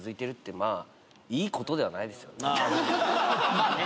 まあね。